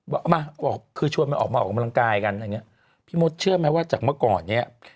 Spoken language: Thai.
บอกมาคือชวนมันออกมาออกกำลังกายกันพี่มดเชื่อไหมว่าจากเมื่อก่อนนี้